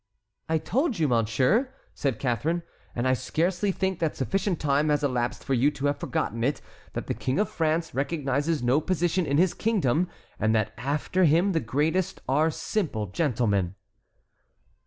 "I told you, monsieur," said Catharine, "and I scarcely think that sufficient time has elapsed for you to have forgotten it, that the King of France recognizes no position in his kingdom, and that after him the greatest are simple gentlemen."